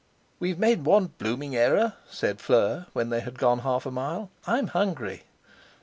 "We've made one blooming error," said Fleur, when they had gone half a mile. "I'm hungry."